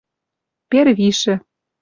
Первишӹ